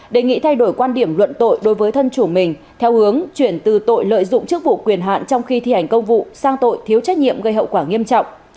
đề nghị thay đổi quan điểm luận tội đối với thân chủ mình theo hướng chuyển từ tội lợi dụng chức vụ quyền hạn trong khi thi hành công vụ sang tội thiếu trách nhiệm gây hậu quả nghiêm trọng